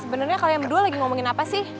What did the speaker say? sebenernya kalian berdua lagi ngomongin apa sih